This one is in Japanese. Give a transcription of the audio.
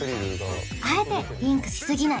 あえてリンクしすぎない